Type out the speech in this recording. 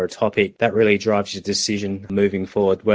itu benar benar membuat anda memutuskan untuk bergerak ke depan